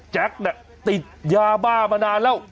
แจ๊คเนี่ยติดยาบ้ามานานแล้ว